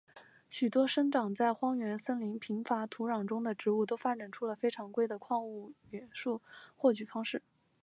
许多生长于荒原森林贫乏土壤中的植物都发展出了非常规的矿质元素获取方式。